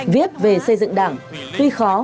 viết về xây dựng đảng tuy khó